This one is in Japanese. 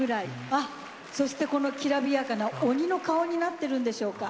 あそしてこのきらびやかな鬼の顔になってるんでしょうか。